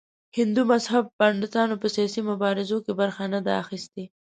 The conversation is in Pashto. هندو مذهب پنډتانو په سیاسي مبارزو کې برخه نه ده اخیستې.